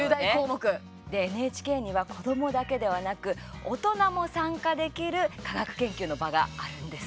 ＮＨＫには子どもだけではなく大人も参加できる科学研究の場があるんです。